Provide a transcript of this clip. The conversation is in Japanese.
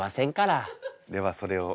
ではそれを。